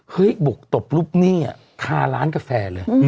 เฮ้ยบุกตบลูกนี้อ่ะคาล้านกาแฟเลย